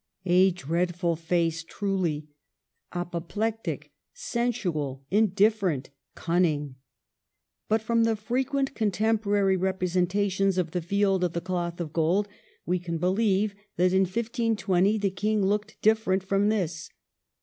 A dreadful face truly, — apoplectic, sensual, indifferent, cunning. But from the frequent contemporary represen tations of the Field of the Cloth of Gold we can believe that in 1520 the King looked different from this.